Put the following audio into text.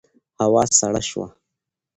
هوا سړه شوه.